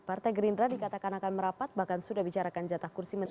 partai gerindra dikatakan akan merapat bahkan sudah bicarakan jatah kursi menteri